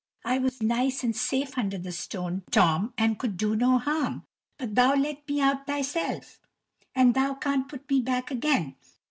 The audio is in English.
I was nice and safe under the stone, Tom, and could do no harm; but thou let me out thyself, and thou can't put me back again!